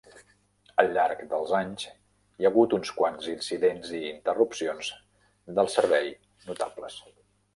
Al llarg dels anys, hi ha hagut uns quants incidents i interrupcions del servei notables.